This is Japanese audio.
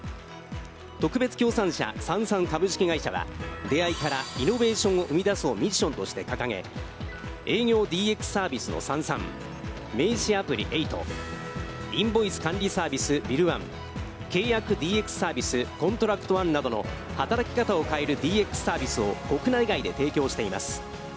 特別協賛社・Ｓａｎｓａｎ株式会社は、「出会いからイノベーションを生み出す」をミッションとして掲げ、営業ＤＸサービスの「Ｓａｎｓａｎ」名刺アプリ「Ｅｉｇｈｔ」インボイス管理サービス「ＢｉｌｌＯｎｅ」契約ＤＸサービス「ＣｏｎｔｒａｃｔＯｎｅ」などの働き方を変えるＤＸサービスを国内外で提供しています。